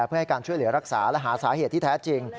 เพื่อให้การช่วยเหลือรักษาและหาสาเหตุที่แท้จริง